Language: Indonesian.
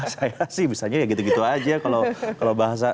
saya sih bisanya ya gitu gitu aja kalau bahasa